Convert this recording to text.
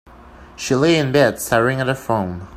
She lay in bed, staring at her phone.